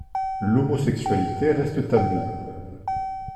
L'homosexualité reste taboue.